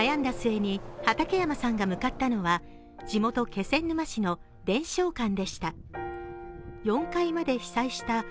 悩んだ末に畠山さんが向かったのは地元・気仙沼市の伝承館でした。